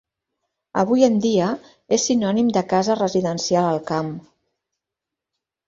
Avui en dia és sinònim de casa residencial al camp.